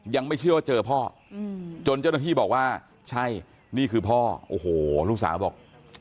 ยังไม่เชื่อว่าเจอพ่อจนเจ้าหน้าที่บอกว่าใช่นี่คือพ่อโอ้โหลูกสาวบอก